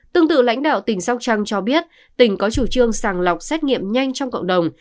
tương tự lãnh đạo tỉnh sóc trăng cho biết tỉnh có chủ trương sàng lọc xét nghiệm nhanh trong cộng đồng